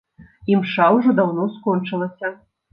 Імша ўжо даўно скончылася.